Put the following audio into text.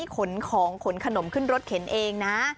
ขนของขนขนมขึ้นรถเข็นเองนะ